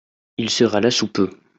Il sera là sous peu.